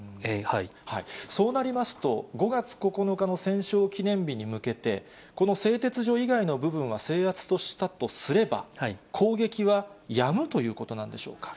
そうなりますと、５月９日の戦勝記念日に向けて、この製鉄所以外の部分は制圧したとすれば、攻撃はやむということなんでしょうか。